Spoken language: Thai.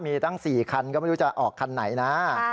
มีตั้ง๔คันก็ไม่รู้จะออกคันไหนนะ